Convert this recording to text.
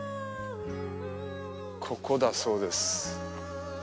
ここだそうです。